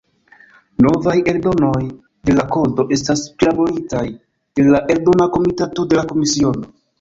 Novaj eldonoj de la Kodo estas prilaboritaj de la Eldona Komitato de la Komisiono.